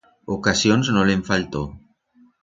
Ocasions, no le'n faltó.